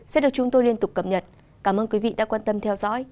sẽ được chúng tôi liên tục cập nhật cảm ơn quý vị đã quan tâm theo dõi